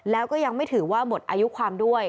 แล้วก็ยังไม่ถือว่าหมดอายุความด้วย